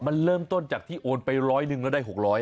มันเริ่มต้นจากที่โอนไปร้อยหนึ่งแล้วได้๖๐๐